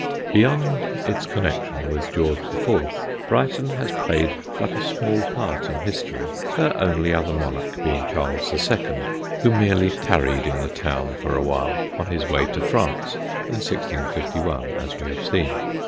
'" Beyond its connection with George IV. Brighton has played but a small part in history, her only other monarch being Charles II., who merely tarried in the town for awhile on his way to France, in 1651, as we have seen.